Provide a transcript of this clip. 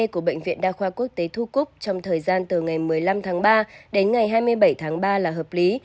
của bệnh viện đa khoa quốc tế thu cúc trong thời gian từ ngày một mươi năm tháng ba đến ngày hai mươi bảy tháng ba là hợp lý